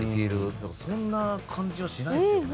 だからそんな感じはしないですよね。